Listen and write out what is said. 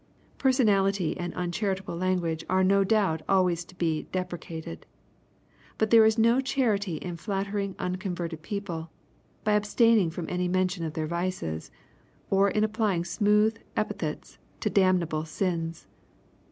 Personality and uncharitable language are no doubt always to be deprecated. But there is no charity in flattering unconverted people, by abstaining from any mention of their vices, or in applying smooth epithets to damnable sins.